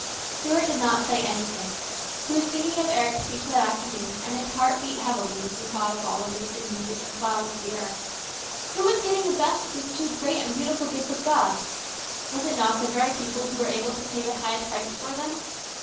Stuart did not say anything. He was thinking of Eric's speech that afternoon, and his heart beat heavily as he thought of all the wasted music and flowers of the earth. Who was getting the best of these two great and beautiful gifts of God ? Was it not the very people who were able to pay the highest prices for them